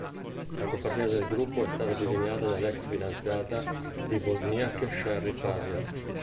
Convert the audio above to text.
La copertina del gruppo è stata disegnata dall'ex-fidanzata di Wozniak Sherry Frasier.